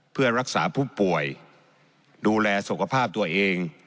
เพื่อรักษาผู้ป่วยดูแลสุขภาพตัวเอง